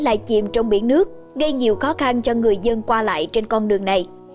lại chìm trong biển nước gây nhiều khó khăn cho người dân qua lại trên con đường này